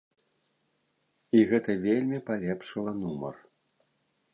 І гэта вельмі палепшыла нумар!